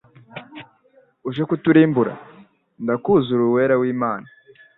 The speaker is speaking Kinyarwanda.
Uje kuturimbura? Ndakuzi uri Uwera w'Imana.»